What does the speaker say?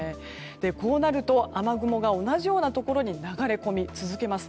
こうなると雨雲が同じようなところに流れ込み続けます。